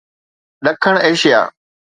ڏکڻ ايشيا